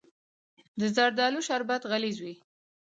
د زردالو شربت غلیظ وي.